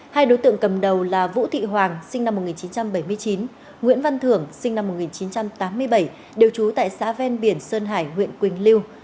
hai đối tượng cầm đầu là vũ thị hoàng sinh năm một nghìn chín trăm bảy mươi chín nguyễn văn thưởng sinh năm một nghìn chín trăm tám mươi bảy đều trú tại xã ven biển sơn hải huyện quỳnh lưu